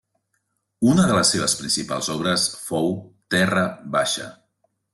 Una de les seves principals obres fou Terra baixa.